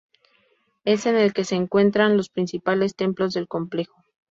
Es en el que se encuentran los principales templos del complejo.